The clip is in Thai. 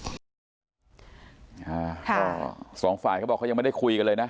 อ่าก็สองฝ่ายเขาบอกเขายังไม่ได้คุยกันเลยนะ